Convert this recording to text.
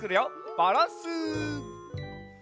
バランス！